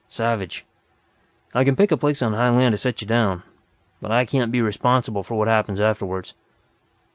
Savage. I can pick a place on high land to set you down. But I can't be responsible for what happens afterward."